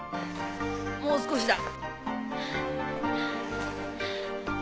もう少しだ。